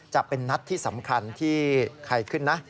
จะเป็นนัดที่สำคัญที่ใครขึ้นนะ